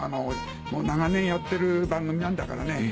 もう長年やってる番組なんだからね。